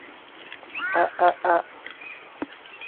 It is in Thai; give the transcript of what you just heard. อ๊ะ อ๊ะ อ๊ะ